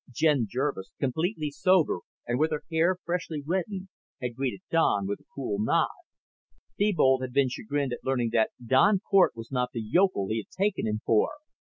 Jen Jervis, completely sober and with her hair freshly reddened, had greeted Don with a cool nod. Thebold had been chagrined at learning that Don Cort was not the yokel he had taken him for.